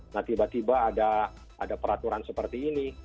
nah tiba tiba ada peraturan seperti ini